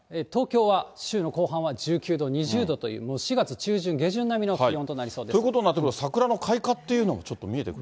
東京は週の後半は１９度、２０度という、もう４月中旬、下旬並みの気温となりそうです。ということになってくると桜の開花っていうのもちょっと見え